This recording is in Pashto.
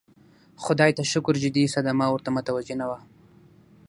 خدای ته شکر جدي صدمه ورته متوجه نه وه.